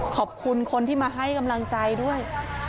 ขอบคุณคนที่มาให้กำลังใจด้วย